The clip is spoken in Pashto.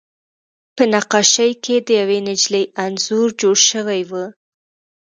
په نقاشۍ کې د یوې نجلۍ انځور جوړ شوی و